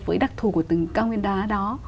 với đặc thù của từng cao nguyên đá đó